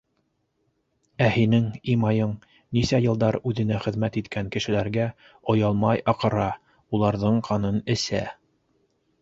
Ә һинең Имайың нисә йылдар үҙенә хеҙмәт иткән кешеләргә оялмай аҡыра, уларҙың ҡанын эсә.